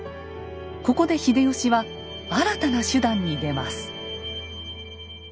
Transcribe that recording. ここで秀吉は新たな手段に出ます。